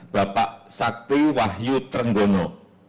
bapak sakti wahyu trenggono